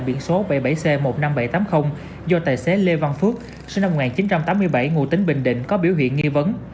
biển số bảy mươi bảy c một mươi năm nghìn bảy trăm tám mươi do tài xế lê văn phước sinh năm một nghìn chín trăm tám mươi bảy ngụ tính bình định có biểu hiện nghi vấn